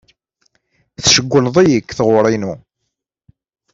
Tcewwled-iyi deg tɣuri-inu.